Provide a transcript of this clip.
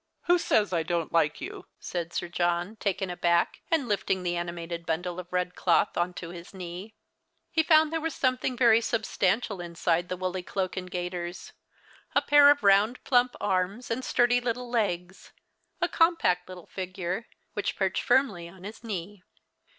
" "Who says I don't like you ?" said Sir John, taken aback, and lifting the animated bundle of red cloth on to his knee. He found there was something very substantial inside the woolly cloak and gaiters, a pair of round plump arms and sturdy little legs, a compact little fignre. which perched firmly on his knee.